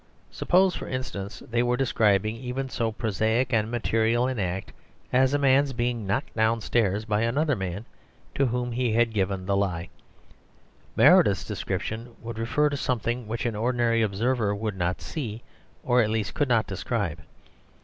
Suppose, for instance, they were describing even so prosaic and material an act as a man being knocked downstairs by another man to whom he had given the lie, Meredith's description would refer to something which an ordinary observer would not see, or at least could not describe.